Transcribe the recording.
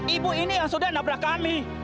ibu ini yang sudah nabrak kami